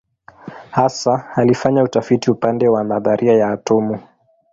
Hasa alifanya utafiti upande wa nadharia ya atomu.